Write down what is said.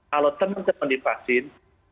kalau teman teman divaksin